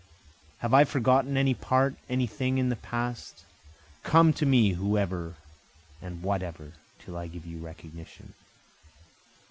(Have I forgotten any part? any thing in the past? Come to me whoever and whatever, till I give you recognition.)